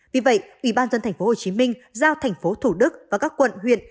vì vậy ủy ban dân thành phố hồ chí minh giao thành phố thủ đức và các quận huyện